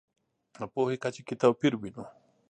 پوهې کچه کې توپیر وینو.